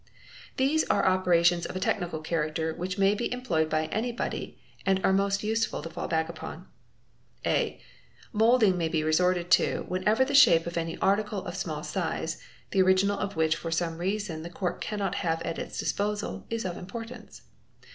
These are operations of a technical character which may be employed by anybody and are most useful to fall back upon. | af (a) Moulding may be resorted to whenever the shape of any article of small size, the original of which for some reason the court cannot hay at its disposal, is of importance.